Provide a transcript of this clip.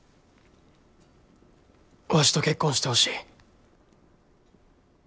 わしと結婚してほしい。